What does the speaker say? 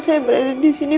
saya berada disini